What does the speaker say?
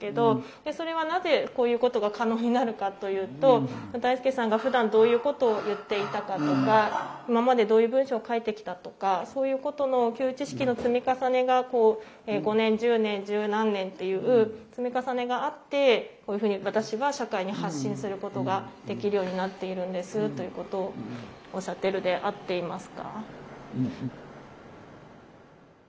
でそれはなぜこういうことが可能になるかというと大輔さんがふだんどういうことを言っていたかとか今までどういう文章を書いてきたとかそういうことの共有知識の積み重ねが５年１０年十何年という積み重ねがあってこういうふうに私は社会に発信することができるようになっているんですということをおっしゃっているで合っていますか？